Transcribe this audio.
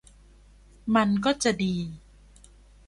มันก็จะดี